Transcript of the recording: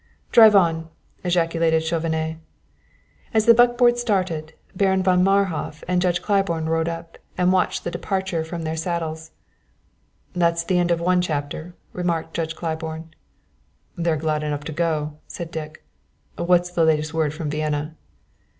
"Drive on!" ejaculated Chauvenet. As the buckboard started, Baron von Marhof and Judge Claiborne rode up, and watched the departure from their saddles. "That's the end of one chapter," remarked Judge Claiborne. "They're glad enough to go," said Dick. "What's the latest word from Vienna?"